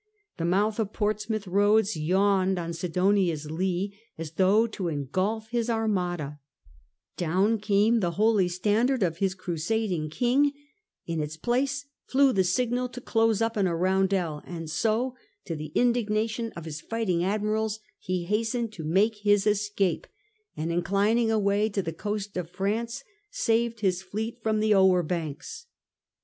The mouth of Portsmouth roads yawned on Sidonia's lee, as though to engulf his Armada; down came the holy standard of his crusading king ; in its place flew the signal to close up in a roundel ; and so, to the indigna tion of his fighting admirals, he hastened to make his escape, and inclining away to the coast of France, saved his fleet from the Ower banks.